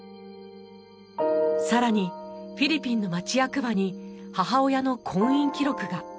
さらにフィリピンの町役場に母親の婚姻記録が。